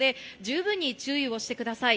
十分に注意をしてください。